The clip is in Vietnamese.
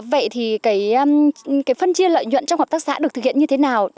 vậy thì cái phân chia lợi nhuận trong hợp tác xã được thực hiện như thế nào